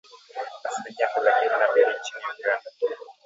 Asilimia thelathini na mbili nchini Uganda